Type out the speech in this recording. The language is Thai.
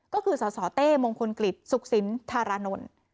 ก็คือสสเต้มงคลกฤษสุขสินธารานนท์